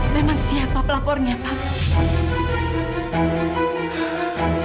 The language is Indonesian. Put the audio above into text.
memang siapa pelapornya pak